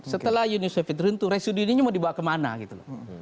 setelah yunus fidrin itu residuenya mau dibawa kemana gitu